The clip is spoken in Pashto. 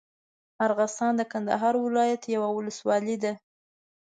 ارغسان د کندهار ولايت یوه اولسوالي ده.